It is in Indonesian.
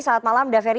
selamat malam daferi